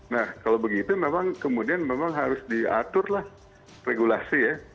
nah kalau begitu memang kemudian memang harus diaturlah regulasi ya